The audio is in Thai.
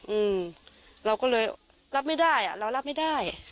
อืมเราก็เลยรับไม่ได้อ่ะเรารับไม่ได้